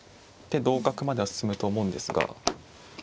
で同角までは進むと思うんですが。